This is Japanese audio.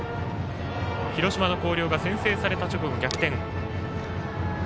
広島の広陵が先制された直後、逆転。